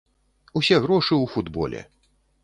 Усе грошы ў футболе.